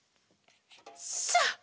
さあ！